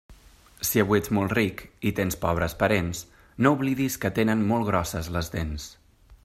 Si avui ets molt ric, i tens pobres parents, no oblidis que tenen molt grosses les dents.